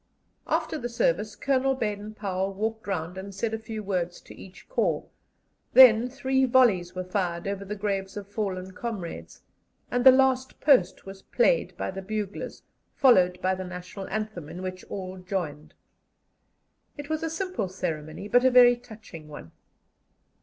After the service Colonel Baden Powell walked round and said a few words to each corps; then three volleys were fired over the graves of fallen comrades, and the "Last Post" was played by the buglers, followed by the National Anthem, in which all joined. It was a simple ceremony, but a very touching one.